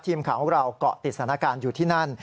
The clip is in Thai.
ทีมของเราก็ติดสถานการณ์อยู่ที่นั่น